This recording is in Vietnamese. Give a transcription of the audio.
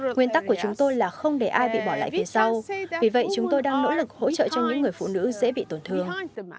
nguyên tắc của chúng tôi là không để ai bị bỏ lại phía sau vì vậy chúng tôi đang nỗ lực hỗ trợ cho những người phụ nữ dễ bị tổn thương